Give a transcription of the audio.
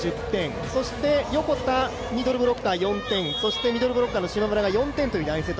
そして横田、ミドルブロッカー４点、そしてミドルブロッカーの島村が４点と。